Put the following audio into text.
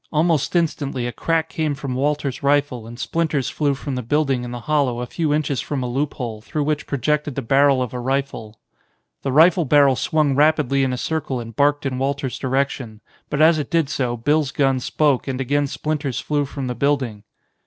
Almost instantly a crack came from Walter's rifle and splinters flew from the building in the hollow a few inches from a loophole, through which projected the barrel of a rifle. The rifle barrel swung rapidly in a circle and barked in Walter's direction; but as it did so, Bill's gun spoke and again splinters flew from the building.